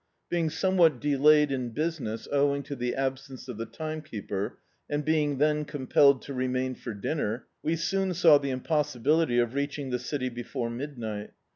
Being somewhat delayed in business, owing to the absence of the timekeeper, and being then com pelled to remain for dinner* we soon saw the im possibility of reaching the city before midnight.